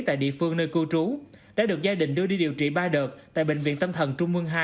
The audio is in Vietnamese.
tại địa phương nơi cư trú đã được gia đình đưa đi điều trị ba đợt tại bệnh viện tâm thần trung mương hai